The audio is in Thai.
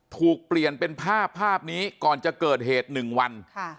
ถูกเปลี่ยนเป็นภาพภาพนี้ก่อนจะเกิดเหตุ๑วัน